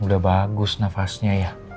udah bagus nafasnya ya